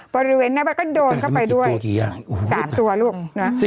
บริเวณหน้าบ้านก็โดนเข้าไปด้วย๓ตัวลูกนะ